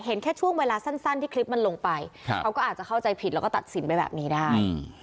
เห็นแค่ช่วงเวลาสั้นที่คลิปมันลงไปเขาก็อาจจะเข้าใจผิดแล้วก็ตัดสินไปแบบนี้ได้